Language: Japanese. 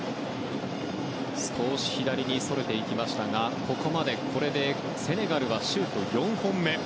少し左にそれていきましたがここまで、これでセネガルはシュート４本目。